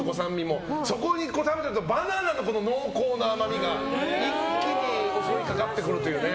そこにバナナの濃厚な甘みが一気に襲いかかってくるという。